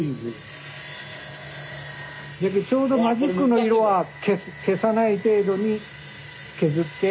ちょうどマジックの色は消さない程度に削って。